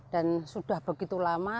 dan sudah begitu lama